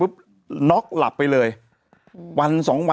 มีสารตั้งต้นเนี่ยคือยาเคเนี่ยใช่ไหมคะ